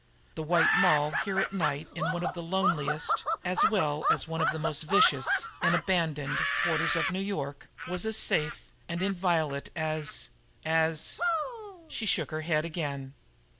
The White Moll here at night in one of the loneliest, as well as one of the most vicious and abandoned, quarters of New York, was as safe and inviolate as as She shook her head again.